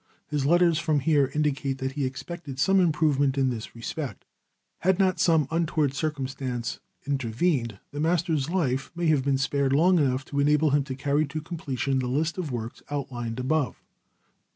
His letters from here indicate that he expected some improvement in this respect. Had not some untoward circumstances intervened, the master's life might have been spared long enough to enable him to carry to completion the list of works outlined above.